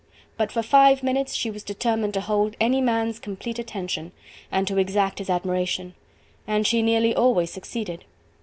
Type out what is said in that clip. But for five minutes she was determined to hold any man's complete attention, and to exact his admiration. And she nearly always succeeded.